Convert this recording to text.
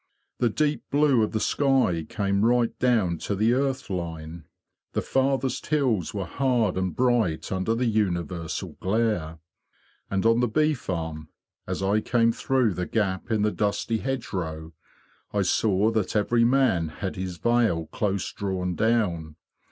The deep blue of the sky came right down to the earth line. The farthest hills were hard and bright under the universal glare. And on the bee farm, as I came through the gap in the dusty hedgerow, I saw that every man had his veil close drawn down.